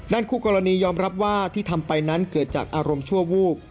คู่กรณียอมรับว่าที่ทำไปนั้นเกิดจากอารมณ์ชั่ววูบ